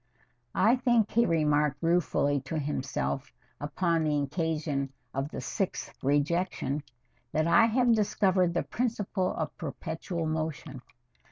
"I think," he remarked ruefully to himself upon the occasion of its sixth rejection, "that I have discovered the principle of perpetual motion.